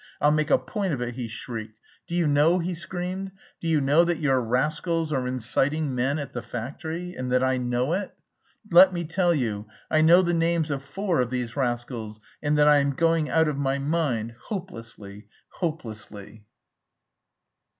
I'll make a point of it!" he shrieked. "Do you know," he screamed, "do you know that your rascals are inciting men at the factory, and that I know it? Let me tell you, I know the names of four of these rascals and that I am going out of my mind, hopelessly, hopelessly!..."